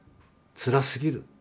つらすぎる。